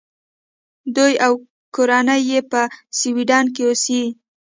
دی او کورنۍ یې په سویډن کې اوسي.